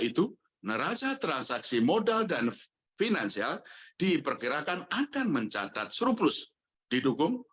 terima kasih terima kasih